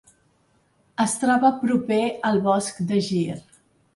Es troba proper al bosc de Gir.